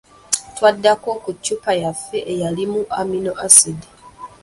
Twaddako ku ccupa yaffe eyalimu amino asidi.